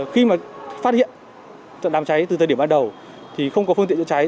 khi mà phát hiện đám cháy từ thời điểm ban đầu thì không có phương tiện chữa cháy